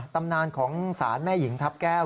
ตำนานของศาลแม่หญิงทัพแก้ว